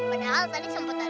aduh ajaib sekali ya